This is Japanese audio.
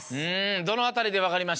どのあたりで分かりましたか？